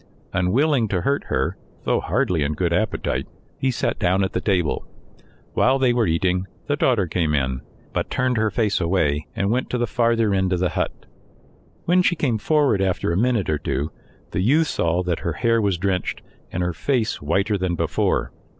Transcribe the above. Unwilling to hurt her, though hardly in good appetite, he sat down at the table. While they were eating, the daughter came in, but turned her face away and went to the farther end of the hut. When she came forward after a minute or two, the youth saw that her hair was drenched, and her face whiter than before.